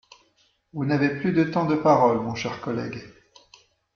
Vous n’avez plus de temps de parole, mon cher collègue.